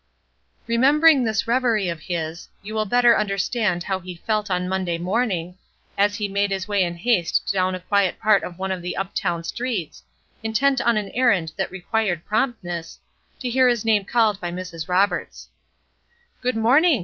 Remembering this reverie of his, you will better understand how he felt on Monday morning, as he made his way in haste down a quiet part of one of the up town streets, intent on an errand that required promptness, to hear his name called by Mrs. Roberts. "Good morning!"